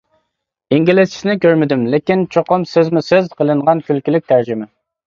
ئىنگلىزچىسىنى كۆرمىدىم، لېكىن چوقۇم سۆزمۇ سۆز قىلىنغان كۈلكىلىك تەرجىمە.